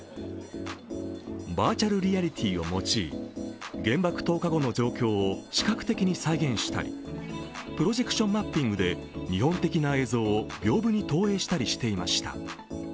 バーチャルリアリティーを用い、原爆投下後の状況を視覚的に再現したりプロジェクションマッピングで日本的な映像をびょう風に投影したりしていました。